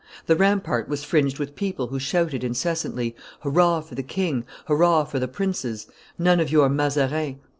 The rampart was fringed with people who shouted incessantly, 'Hurrah for the king! hurrah for the princes! None of your Mazarin!